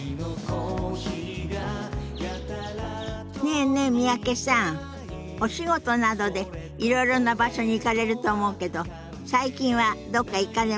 ねえねえ三宅さんお仕事などでいろいろな場所に行かれると思うけど最近はどっか行かれました？